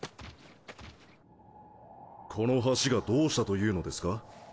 この橋がどうしたというのですか？